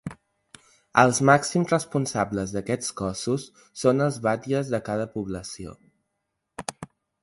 Els màxims responsables d’aquests cossos són els batlles de cada població.